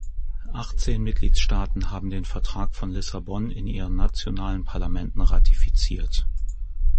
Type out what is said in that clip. Achtzehn Mitgliedstaaten haben den Vertrag von Lissabon in ihren nationalen Parlamenten ratifiziert.